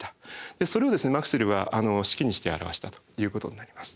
でそれをマクスウェルは式にして表したということになります。